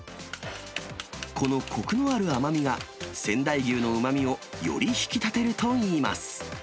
このこくのある甘みが、仙台牛のうまみをより引き立てるといいます。